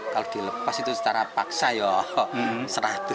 kalau dilepas itu secara paksa yoh seratus